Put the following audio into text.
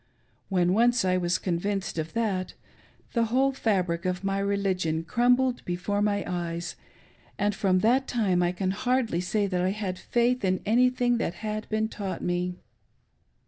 When once I was convinced of that, the whole fabric of my religion crumbled before my eyes ; and from that time I Can hardly say that I had faith in anything that had been taught m'e.